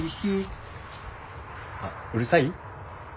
あっうるさい？